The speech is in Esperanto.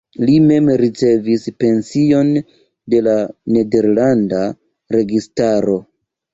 Li mem ricevis pension de la nederlanda registaro.